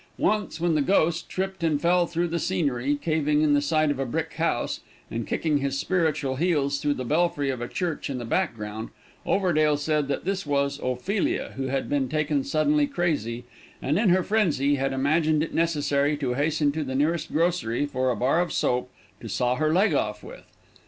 Once when the Ghost tripped and fell through the scenery, caving in the side of a brick house, and kicking his spiritual heels through the belfry of a church in the background, Overdale said that this was Ophelia, who had been taken suddenly crazy, and in her frenzy had imagined it necessary to hasten to the nearest grocery for a bar of soap to saw her leg off with.